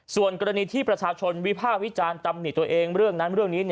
ส่วนกรณีที่ประชาชนวิภาควิจารณ์ตำหนิตัวเองเรื่องนั้นเรื่องนี้